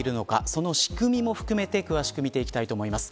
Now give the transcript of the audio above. その仕組みも含めて詳しく見ていきたいと思います。